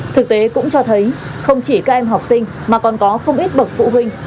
thực tế cũng cho thấy không chỉ các em học sinh mà còn có không ít bậc phụ huynh